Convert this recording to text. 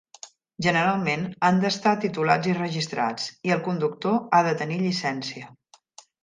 Generalment, han d'estar titulats i registrats, i el conductor ha de tenir llicencia.